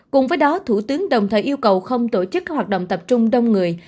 cùng với đó thủ tướng đồng thời yêu cầu không tổ chức các hoạt động tập trung đông người